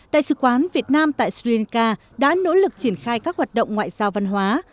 đại sứ quán việt nam tại sri lanka đã nỗ lực triển khai các hoạt động ngoại giao văn hóa